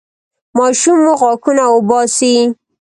ماشوم مو غاښونه وباسي؟